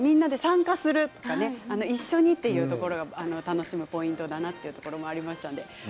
みんなで参加する一緒にということで楽しむポイントだなというところもありました。